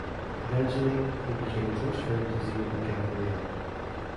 Eventually, he becomes a close friend to Xena and Gabrielle.